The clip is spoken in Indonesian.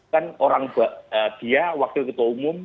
kan orang dia wakil ketua umum